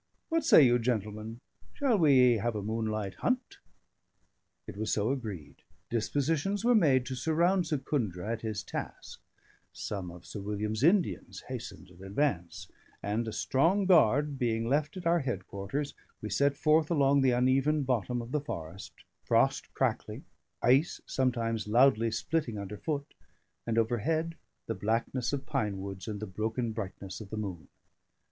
What say you, gentlemen, shall we have a moonlight hunt?" It was so agreed; dispositions were made to surround Secundra at his task; some of Sir William's Indians hastened in advance; and a strong guard being left at our headquarters, we set forth along the uneven bottom of the forest; frost crackling, ice sometimes loudly splitting under foot; and overhead the blackness of pine woods and the broken brightness of the moon.